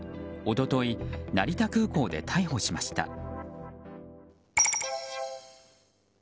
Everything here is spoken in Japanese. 一昨日、成田空港で逮捕しました。